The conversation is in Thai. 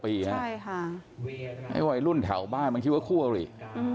นี่ค่ะอายุเพิ่ง๑๖ปีใช่ค่ะไอ้วัยรุ่นแถวบ้านมันคิดว่าคู่เอาอีก